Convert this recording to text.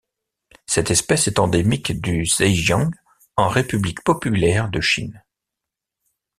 Cette espèce est endémique du Zhejiang en République populaire de Chine.